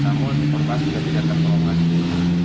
namun korban sudah tidak terpengaruhkan